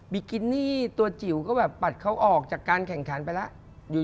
บิกินี่ตัวจิ๋วก็ปัดเขาออกจากการแข่งขันไปแล้ว